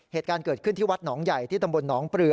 เหตุการณ์เกิดขึ้นที่วัดหนองใหญ่ที่ตำบลหนองปลือ